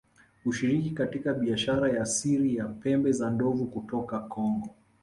kushiriki katika biashara ya siri ya pembe za ndovu kutoka Kongo